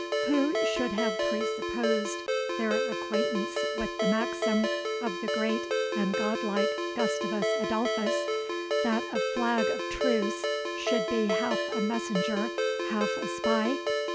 Who should have pre supposed their acquaintance with the maxim of the great and godlike Gustavus Adolphus, that a flag of truce should be half a messenger half a spy?